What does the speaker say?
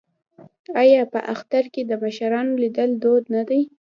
آیا په اختر کې د مشرانو لیدل دود نه دی؟